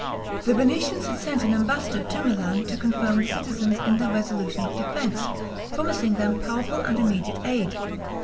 The Venetians had sent an ambassador to Milan to confirm the citizens in their resolution of defense, promising them powerful and immediate aid.